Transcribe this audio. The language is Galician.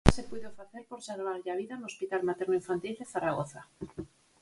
Nada se puido facer por salvarlle a vida no hospital materno infantil de Zaragoza.